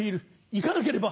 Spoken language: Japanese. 行かなければ！